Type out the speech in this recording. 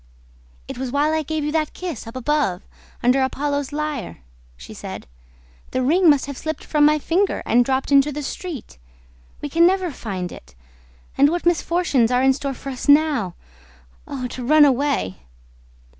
"It was while I gave you that kiss, up above, under Apollo's lyre," she said. "The ring must have slipped from my finger and dropped into the street! We can never find it. And what misfortunes are in store for us now! Oh, to run away!"